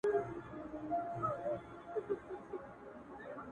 په یوه جرګه کي ناست وه مروروه؛